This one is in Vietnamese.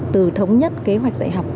từ thống nhất kế hoạch dạy học